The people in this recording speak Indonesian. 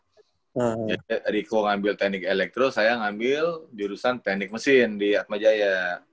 jadi riko ngambil teknik elektro saya ngambil jurusan teknik mesin di atmajaya